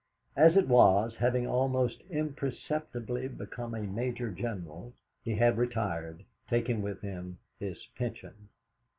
As it was, having almost imperceptibly become a Major General, he had retired, taking with him his pension.